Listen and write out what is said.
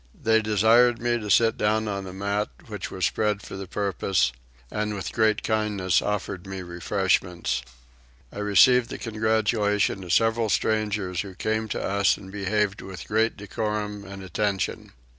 They desired me to sit down on a mat which was spread for the purpose, and with great kindness offered me refreshments. I received the congratulations of several strangers who came to us and behaved with great decorum and attention.